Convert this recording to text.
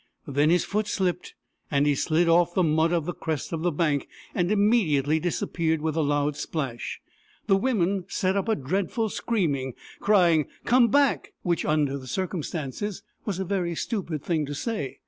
Then his foot slipped, and he slid off the mud of the crest of the bank, and immediately disappeared with a loud splash. The women set up a dreadful screaming, crying " Come back !"— which, under the circumstances, was a very stupid thing to say.